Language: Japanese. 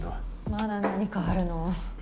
まだ何かあるの？